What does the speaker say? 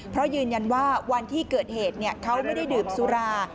เพราะยืนยันว่าวันที่เกิดเหตุเขาไม่ได้ดื่มสุรา